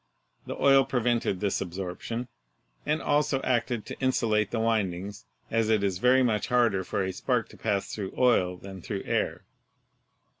The oil prevented this absorption, and also acted to insulate the windings, as it is very much harder for a spark to pass through oil than through air.